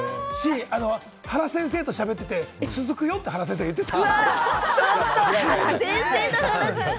原先生と喋ってて、続くよって原先生、おっしゃってた。